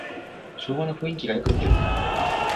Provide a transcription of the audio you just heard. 昭和の雰囲気がよく出てる